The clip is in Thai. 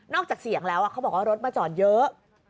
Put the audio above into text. จากเสียงแล้วเขาบอกว่ารถมาจอดเยอะ